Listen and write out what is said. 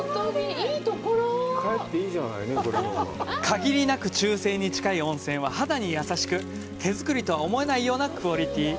限りなく中性に近い温泉は肌に優しく手造りとは思えないようなクオリティー。